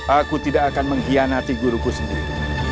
aku tidak akan mengkhianati guruku sendiri